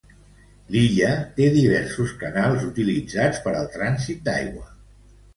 L'illa té diversos canals utilitzats per al trànsit d'aigua.